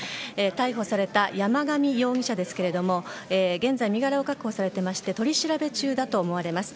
逮捕された山上容疑者ですが現在、身柄を確保されていまして取り調べ中だとみられます。